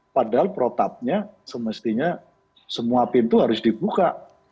padahal protapnya semestinya semua pintu harus dibuka